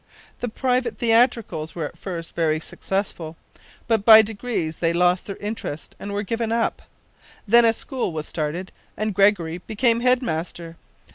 The private theatricals were at first very successful; but by degrees they lost their interest and were given up. Then a school was started and Gregory became head master.